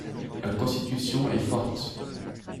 La constitution est forte.